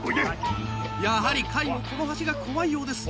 やはりカイもこの橋が怖いようです。